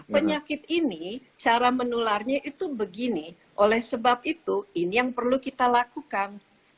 penyakit ini cara menularnya itu begini oleh sebab itu ini yang perlu kita lakukan